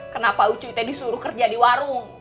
kenapa ucuy disuruh kerja di warung